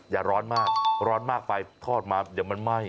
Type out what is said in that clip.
อย่าร้อนมากร้อนมากไปทอดมาเดี๋ยวมันไหม้